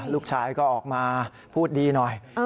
ลูกชายก็ออกมาพูดดีหน่อย